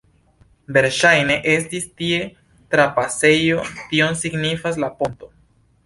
Verŝajne estis tie trapasejo, tion signifas la ponto.